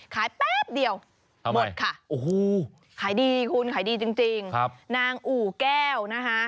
แป๊บเดียวหมดค่ะโอ้โหขายดีคุณขายดีจริงนางอู่แก้วนะคะ